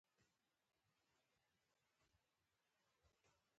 تاریخ د تیرو پیښو هنداره ده.